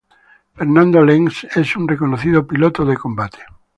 Fernando Lens es un reconocido piloto de combate.